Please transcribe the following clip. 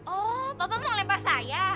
oh bapak mau lempar saya